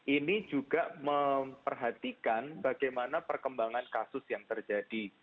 ini juga memperhatikan bagaimana perkembangan kasus yang terjadi